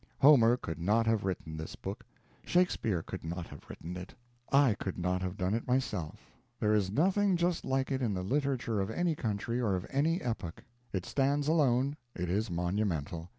Homer could not have written this book, Shakespeare could not have written it, I could not have done it myself. There is nothing just like it in the literature of any country or of any epoch. It stands alone; it is monumental.